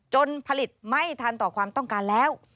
จนผลิตไม่ทันต่อความต้องการแล้ว